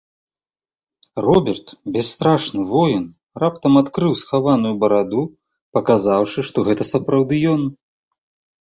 Роберт, бясстрашны воін, раптам адкрыў схаваную бараду, паказаўшы, што гэта сапраўды ён.